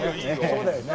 そうだよね。